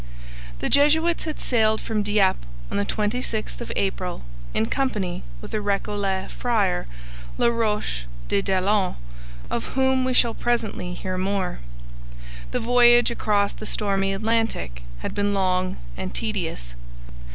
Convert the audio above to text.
The Jesuits had sailed from Dieppe on the 26th of April in company with a Recollet friar, La Roche de Daillon, of whom we shall presently hear more. The voyage across the stormy Atlantic had been long and tedious.